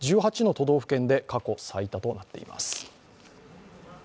１８の都道府県で過去最多となっています。